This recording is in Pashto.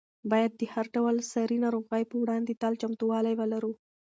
باید د هر ډول ساري ناروغۍ په وړاندې تل چمتووالی ولرو.